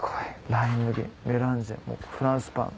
ライ麦メランジェフランスパンね。